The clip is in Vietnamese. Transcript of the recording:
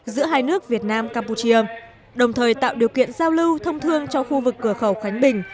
giữa hai nước việt nam campuchia đồng thời tạo điều kiện giao lưu thông thương cho khu vực cửa khẩu khánh bình